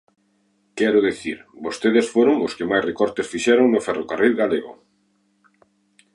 Quero dicir, vostedes foron os que máis recortes fixeron no ferrocarril galego.